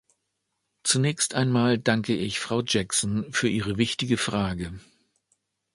Zunächst einmal danke ich Frau Jackson für ihre wichtige Frage.